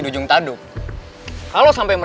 jangan keluaran pak